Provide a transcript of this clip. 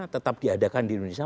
tetap diadakan di indonesia